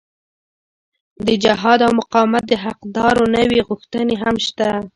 د جهاد او مقاومت د حقدارو نورې غوښتنې هم شته.